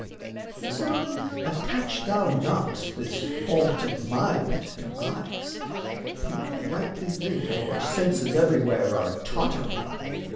And so Attach thou not this fault of mind to eyes, Nor lightly think our senses everywhere Are tottering.